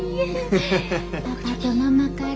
パパとママから。